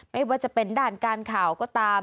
ไม่ว่าจะเป็นด้านการข่าวก็ตาม